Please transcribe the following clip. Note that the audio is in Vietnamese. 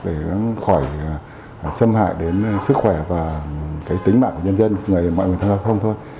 để khỏi xâm hại đến sức khỏe và tính mạng của nhân dân mọi người trong giao thông thôi